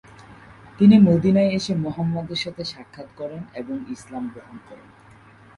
তিনি মদীনায় এসে মুহাম্মাদের সাথে সাক্ষাৎ করেন এবং ইসলাম গ্রহণ করেন।